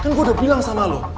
kan gue udah bilang sama lo